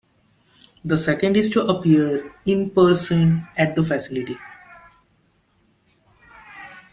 The second is to appear in-person at the facility.